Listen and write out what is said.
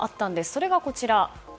それが、こちら。